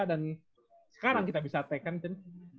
dan sekarang kita bisa take in cen